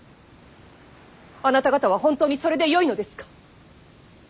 あなた方は本当にそれでよいのですか。